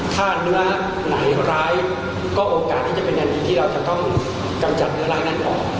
ถ้าเนื้อไหนร้ายก็โอกาสที่จะเป็นอย่างดีที่เราจะต้องกำจัดเนื้อร่างนั้นออก